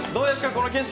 この景色。